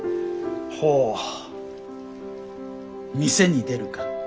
ほう店に出るか。